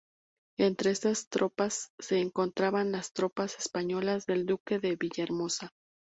Entre estas tropas se encontraban las tropas españolas del duque de Villahermosa.